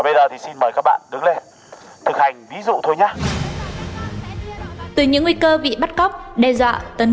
bây giờ thì xin mời các bạn đứng lên thực hành ví dụ thôi nhá từ những nguy cơ bị bắt cóc đe dọa tấn